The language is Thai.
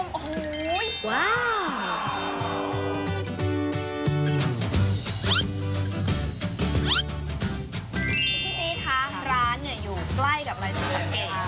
พี่จี๊คะร้านเนี่ยอยู่ใกล้กับอะไรที่สามารถ